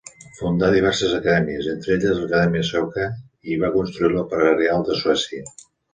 Fundà diverses acadèmies, entre elles l'Acadèmia Sueca, i va fer construir l'Òpera Reial de Suècia.